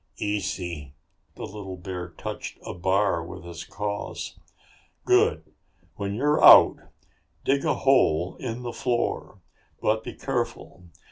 "Easy!" The little bear touched a bar with his claws. "Good. When you're out, dig a hole in the floor. But be careful.